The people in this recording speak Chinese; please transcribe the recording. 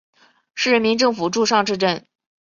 市人民政府驻尚志镇。